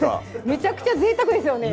めちゃくちゃぜいたくですよね